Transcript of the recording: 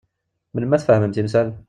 Melmi ara tfehmem timsal?